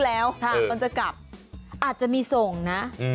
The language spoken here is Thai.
อาจจะมีส่งนะ